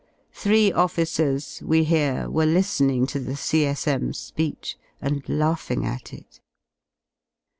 Three officers, we hear, were likening to the C.S.M.'s speech and laughing' at it.